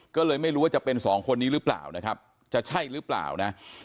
ก็เลยไม่รู้ว่าจะเป็นสองคนนี้หรือเปล่านะครับจะใช่หรือเปล่านะ